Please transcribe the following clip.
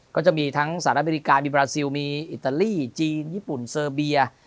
ก็จะมีทั้งสหรัฐอเมริกามีบราซิลมีอิตาลีจีนญี่ปุ่นเซอร์เบีย